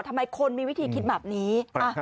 ทำไมคนมีวิธีคิดแบบนี้